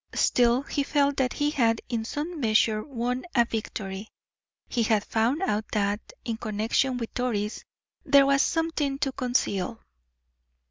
Still he felt that he had in some measure won a victory he had found out that, in connection with Doris, there was something to conceal.